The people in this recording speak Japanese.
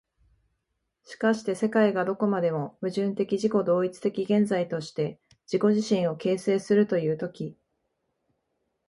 しかして世界がどこまでも矛盾的自己同一的現在として自己自身を形成するという時、